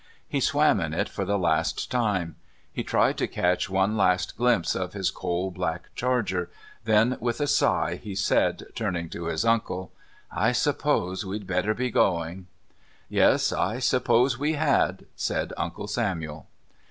He swam in it for the last time. He tried to catch one last glimpse of his coal black charger, then, with a sigh, he said, turning to his uncle: "I suppose we'd better be going." "Yes, I suppose we had," said Uncle Samuel.